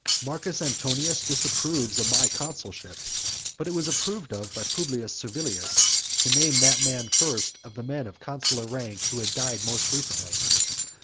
Marcus Antonius disapproves of my consulship; but it was approved of by Publius Servilius to name that man first of the men of consular rank who had died most recently.